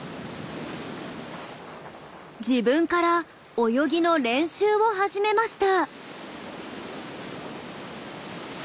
自分から泳ぎの練習を始めました。